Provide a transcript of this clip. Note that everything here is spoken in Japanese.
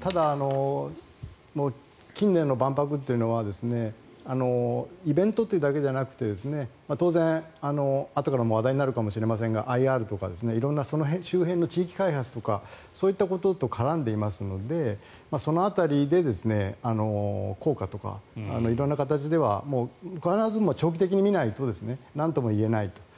ただ、近年の万博というのはイベントというだけじゃなくて当然、あとからも話題になるかもしれませんがＩＲとか色んな周辺の地域開発とかそういったことと絡んでいますのでその辺りで効果とか色んな形では必ず長期的に見ないとなんとも言えないと。